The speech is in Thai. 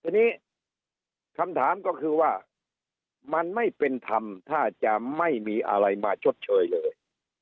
ทีนี้คำถามก็คือว่ามันไม่เป็นธรรมถ้าจะไม่มีอะไรมาชดเชยเลย